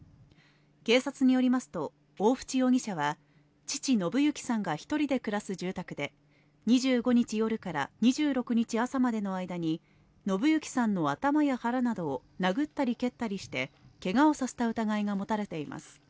警察によりますと、大渕容疑者は父・信行さんが１人で暮らす住宅で２５日夜から２６日朝までの間に信行さんの頭や腹などを殴ったり蹴ったりしてけがをさせた疑いが持たれています。